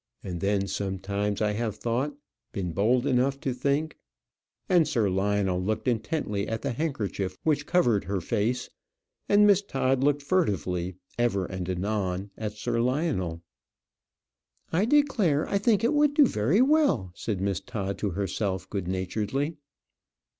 And then sometimes I have thought, been bold enough to think " And Sir Lionel looked intently at the handkerchief which covered her face; and Miss Todd looked furtively, ever and anon, at Sir Lionel. "I declare I think it would do very well," said Miss Todd to herself good naturedly.